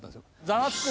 「ザワつく！